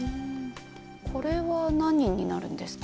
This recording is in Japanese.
これは何になるんですか？